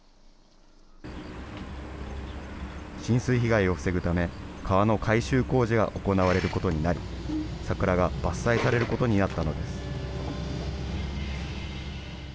浸水被害を防ぐため、川の改修工事が行われることになり、桜が伐採されることになったのです。